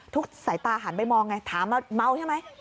สายตาหันไปมองไงถามเมาใช่ไหม